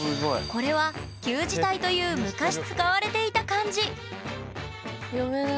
これは旧字体という昔使われていた漢字読めない。